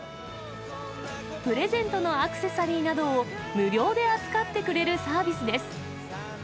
プレゼントのアクセサリーなどを無料で預かってくれるサービスです。